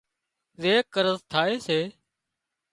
زي قرض ٿائي سي